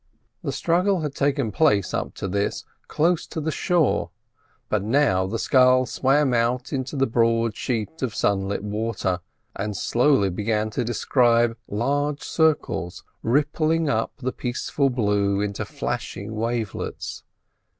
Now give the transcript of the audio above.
The struggle had taken place up to this close to the shore, but now the scull swam out into the broad sheet of sunlit water, and slowly began to describe large circles rippling up the peaceful blue into flashing wavelets.